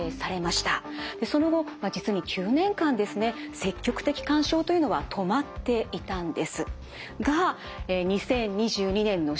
その後実に９年間ですね積極的勧奨というのは止まっていたんです。